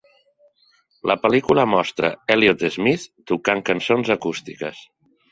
La pel·lícula mostra Elliott Smith tocant cançons acústiques.